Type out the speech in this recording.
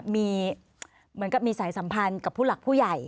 มีเหมือนกับมีสายสัมพันธ์กับผู้หลักผู้ใหญ่